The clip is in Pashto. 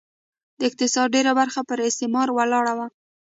د اقتصاد ډېره برخه پر استثمار ولاړه وه.